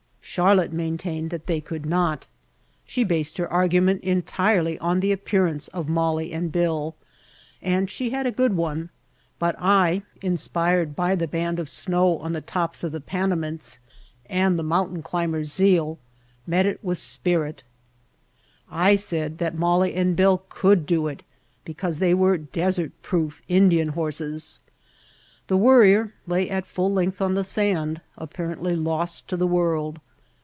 Charlotte maintained that they could White Heart of Mojave not. She based her argument entirely on the appearance of Molly and Bill and she had a good one; but I, inspired by the band of snow on the tops of the Panamints and the mountain climber's zeal, met it with spirit. I said that Molly and Bill could do it because they were "desert proof Indian horses." The Worrier lay at full length on the sand, apparently lost to the world.